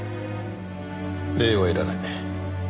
礼はいらない。